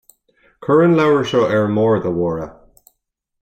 Cuir an leabhar seo ar an mbord, a Mháire